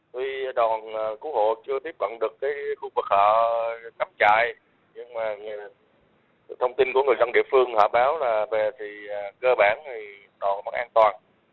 tuy đoàn cứu hộ chưa tiếp cận được khu vực họ nắm chạy nhưng mà thông tin của người dân địa phương họ báo là về thì cơ bản thì đoàn vẫn an toàn